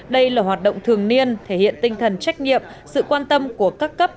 đây là hoạt động thường niên thể hiện tinh thần trách nhiệm sự quan tâm của các cấp